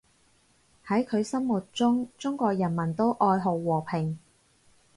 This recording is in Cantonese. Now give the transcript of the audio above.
喺佢心目中，中國人民都愛好和平